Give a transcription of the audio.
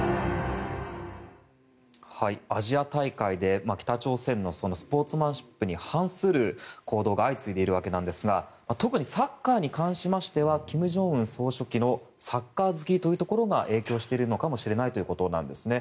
アジア大会で北朝鮮のスポーツマンシップに反する行動が相次いでいるわけなんですが特にサッカーに関しましては金正恩総書記のサッカー好きというところが影響しているのかもしれないということなんですね。